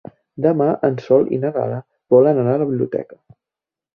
Demà en Sol i na Lara volen anar a la biblioteca.